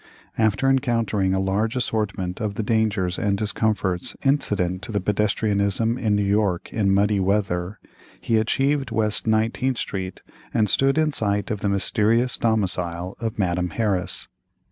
After encountering a large assortment of the dangers and discomforts incident to pedestrianism in New York in muddy weather, he achieved West 19th street, and stood in sight of the mysterious domicile of Madame Harris.